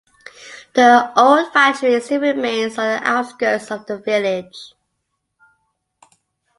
The old factory still remains on the outskirts of the village.